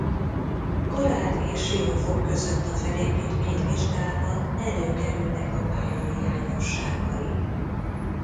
Karád és Siófok között a felépítményt vizsgálva előkerülnek a pálya hiányosságai.